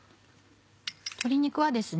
鶏肉はですね